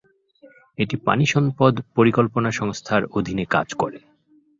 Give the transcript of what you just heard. এটি পানি সম্পদ পরিকল্পনা সংস্থার অধীনে কাজ করে।